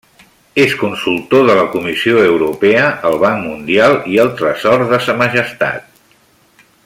És consultor de la Comissió Europea, el Banc Mundial i el Tresor de Sa Majestat.